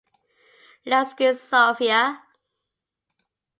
Levski Sofia